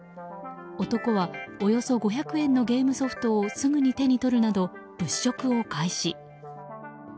男はおよそ５００円のゲームソフトをすぐに手に取るなど物色を開始。